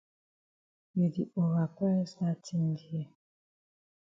You di ova price dat tin dear.